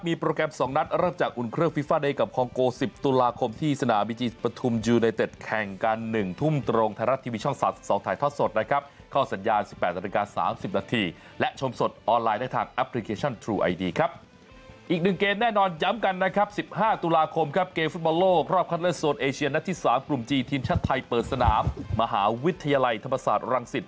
นี้ก็คือโดยทางทีมชาติเลี่ยงกับอุทิศภาพที่ได้พบกับธรรมศาสตร์อลังสิต